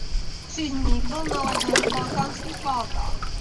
Křižník byl nasazen v balkánských válkách.